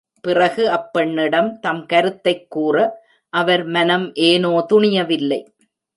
பிறகு அப் பெண்ணிடம் தம் கருத்தைக் கூற அவர் மனம் ஏனோ துணியவில்லை!